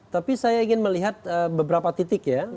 tapi saya ingin melihat beberapa titik ya